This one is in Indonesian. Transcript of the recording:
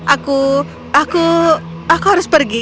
aku aku harus pergi